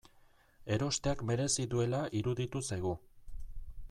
Erosteak merezi duela iruditu zaigu.